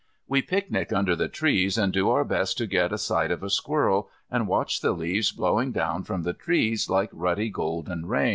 We picnic under the trees and do our best to get a sight of a squirrel, and watch the leaves blowing down from the trees like ruddy golden rain.